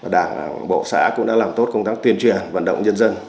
đảng bộ xã cũng đã làm tốt công tác tuyên truyền vận động nhân dân